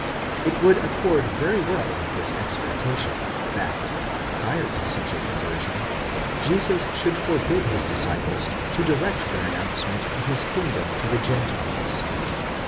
It would accord very well with this expectation, that, prior to such a conversion, Jesus should forbid his disciples to direct their announce ment of his kingdom to the Gentiles.